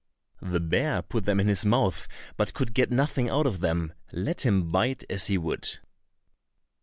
The bear put them in his mouth, but could get nothing out of them, let him bite as he would.